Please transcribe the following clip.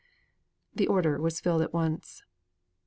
The order was filled at once.